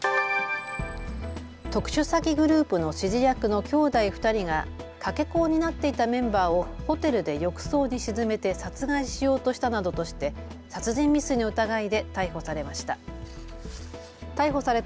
特殊詐欺グループの指示役の兄弟２人がかけ子を担っていたメンバーをホテルで浴槽に沈めて殺害しようとしたなどとして殺人未遂の疑いで逮捕されました。